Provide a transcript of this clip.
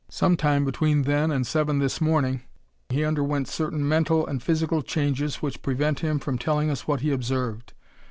Some time between then and seven this morning he underwent certain mental and physical changes which prevent him from telling us what he observed.